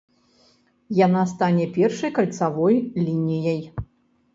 Яна стане першай кальцавой лініяй.